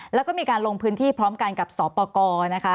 แล้วก็มีการลงพื้นที่พร้อมกันกับสอปกรนะคะ